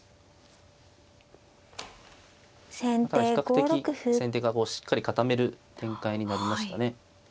比較的先手がこうしっかり固める展開になりましたね。